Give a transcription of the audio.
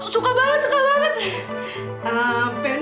suka banget suka banget